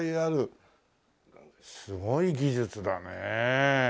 すごい技術だね。